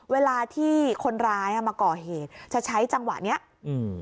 เวลาที่คนร้ายอ่ะมาก่อเหตุจะใช้จังหวะเนี้ยอืม